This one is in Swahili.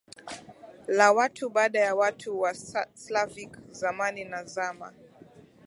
la watu baada ya watu wa Slavic Zamani na Zama